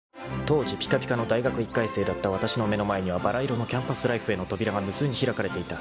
［当時ぴかぴかの大学１回生だったわたしの目の前にはばら色のキャンパスライフへの扉が無数に開かれていた］